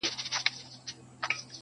د اخترونو د جشنونو شالمار خبري؛